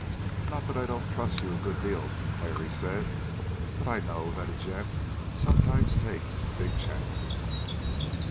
"Not that I don't trust you a good deal, Sinclair," he said, "but I know that a gent sometimes takes big chances."